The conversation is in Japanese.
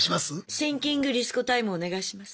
シンキング・リス子タイムお願いします。